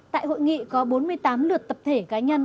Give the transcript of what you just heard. tại hội nghị có bốn mươi tám lượt tập thể cá nhân